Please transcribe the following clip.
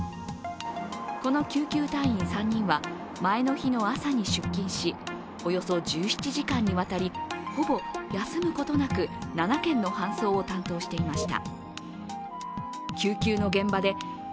この救急隊員３人は、前の日の朝に出勤しおよそ１７時間にわたりほぼ休むことなく７件の搬送を担当していました。